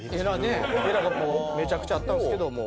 エラがこうめちゃくちゃあったんですけどもう。